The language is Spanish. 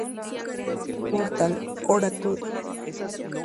Portal Oracle